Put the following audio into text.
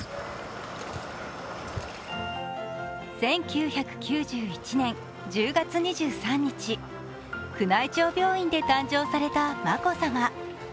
１９９１年１０月２３日宮内庁病院で誕生された眞子さま。